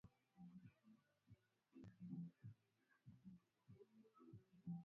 pamoja na kuwashirikisha zaidi vijana